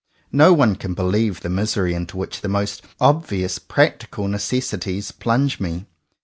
No one can believe the misery into which the most obvious practical necessities plunge me.